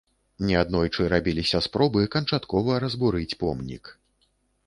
Неаднойчы рабіліся спробы канчаткова разбурыць помнік.